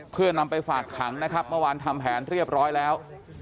เพื่อนำไปฝากขังนะครับเมื่อวานทำแผนเรียบร้อยแล้ว